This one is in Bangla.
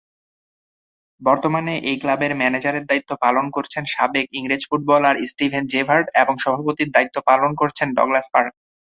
বর্তমানে এই ক্লাবের ম্যানেজারের দায়িত্ব পালন করছেন সাবেক ইংরেজ ফুটবলার স্টিভেন জেরার্ড এবং সভাপতির দায়িত্ব পালন করছেন ডগলাস পার্ক।